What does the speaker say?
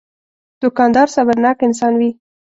دوکاندار صبرناک انسان وي.